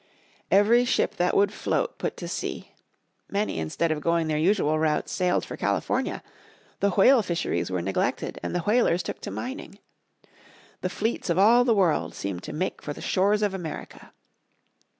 Every ship that would float put to sea. Many instead of going their usual routes sailed for California, the whale fisheries were neglected and the whalers took to mining. The fleets of all the world seemed to make for the shores of America.